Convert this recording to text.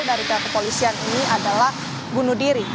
dari kakak polisian ini adalah bunuh diri